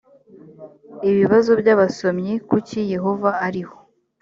ibibazo by abasomyi kuki yehova ariho